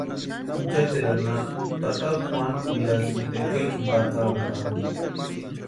Inchateru anapu tata Juanu nirasïnti tekechu patsantaani.